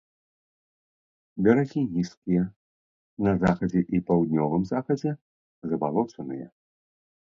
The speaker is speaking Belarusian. Берагі нізкія, на захадзе і паўднёвым захадзе забалочаныя.